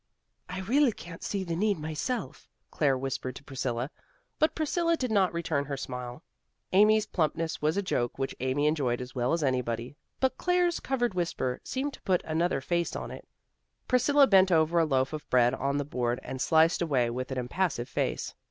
"I really can't see the need myself," Claire whispered to Priscilla, but Priscilla did not return her smile. Amy's plumpness was a joke which Amy enjoyed as well as anybody, but Claire's covered whisper seemed to put another face on it. Priscilla bent over a loaf of bread on the board and sliced away with an impassive face.